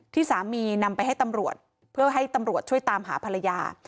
ที่สามีนำไปให้ตำรวจเพื่อให้ตำรวจช่วยตามหาภรรยา